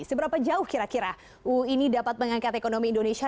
seberapa jauh kira kira uu ini dapat mengangkat ekonomi indonesia